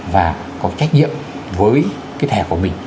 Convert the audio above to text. và có trách nhiệm với cái thẻ của mình